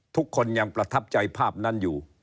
ทุกคนยังประทับใจภาพนั้นอยู่